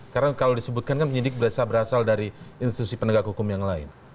karena kalau disebutkan kan penyidik berasal dari institusi penegak hukum yang lain